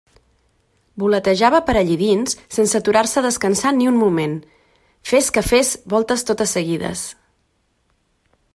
Voletejava per allí dins sense aturar-se a descansar ni un moment, fes que fes voltes totes seguides.